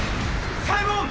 サイモン！